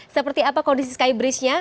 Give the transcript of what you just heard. seperti apa kondisi skybridge nya